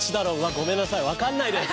ごめんなさいわかんないです。